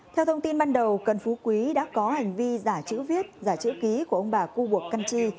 theo thông tin ban đầu cần phú quý đã có hành vi giả chữ viết giả chữ ký của ông bà cưu bộc căn tri